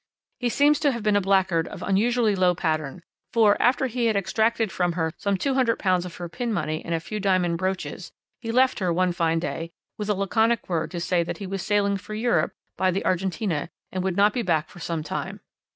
He seems to have been a blackguard of unusually low pattern, for, after he had extracted from her some £200 of her pin money and a few diamond brooches, he left her one fine day with a laconic word to say that he was sailing for Europe by the Argentina, and would not be back for some time.